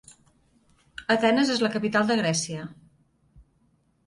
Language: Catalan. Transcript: Atenes és la capital de Grècia.